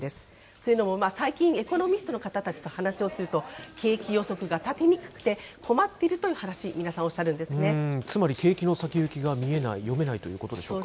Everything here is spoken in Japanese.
というのも最近、エコノミストの方たちと話をすると、景気予測が立てにくくて、困っているというつまり景気の先行きが見えない、読めないということでしょうか。